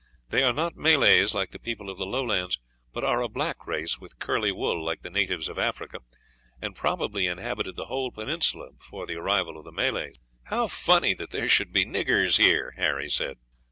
They are not Malays like the people of the lowlands, but are a black race with curly wool, like the natives of Africa, and probably inhabited the whole peninsula before the arrival of the Malays." "How funny that there should be niggers here," Harry said.